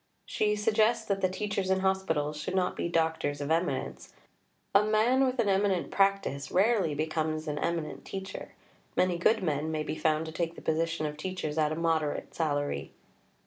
She suggests that the teachers in hospitals should not be doctors of eminence; "a man with an eminent practice rarely becomes an eminent teacher; many good men may be found to take the position of teachers at a moderate salary."